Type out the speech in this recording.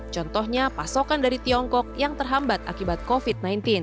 contohnya pasokan dari tiongkok yang terhambat akibat covid sembilan belas